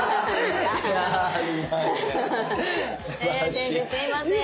先生すいません。